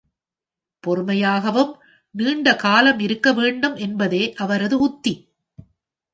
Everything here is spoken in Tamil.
பொறுமையாகவும் நீண்ட காலம் இருக்க வேண்டும் என்பதே அவரது உத்தி.